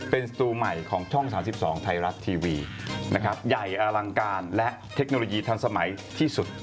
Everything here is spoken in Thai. เป็นสตูใหม่ของช่อง๓๒ไทยรัฐทีวีนะครับใหญ่อลังการและเทคโนโลยีทันสมัยที่สุด